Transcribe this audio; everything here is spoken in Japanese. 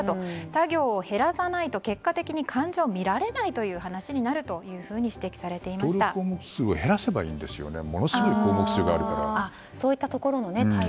作業を減らさないと結果的に患者を診られないという話になるというふうに登録項目数を減らせばいいんですよね。